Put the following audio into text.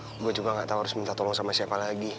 gue juga gak tahu harus minta tolong sama siapa lagi